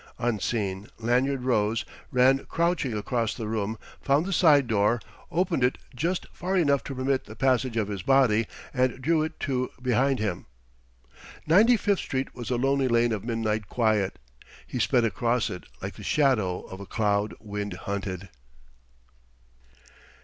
Unseen, Lanyard rose, ran crouching across the room; found the side door, opened it just far enough to permit the passage of his body, and drew it to behind him. Ninety fifth Street was a lonely lane of midnight quiet. He sped across it like the shadow of a cloud wind hunted.